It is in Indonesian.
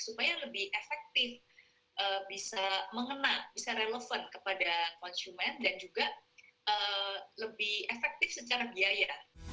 supaya lebih efektif bisa mengena bisa relevan kepada konsumen dan juga lebih efektif secara biaya